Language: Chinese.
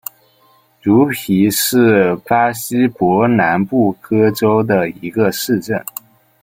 茹皮是巴西伯南布哥州的一个市镇。